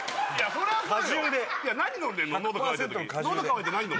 そりゃそうよ